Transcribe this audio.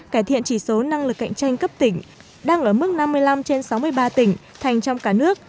cải thiện chỉ số năng lực cạnh tranh cấp tỉnh đang ở mức năm mươi năm trên sáu mươi ba tỉnh thành trong cả nước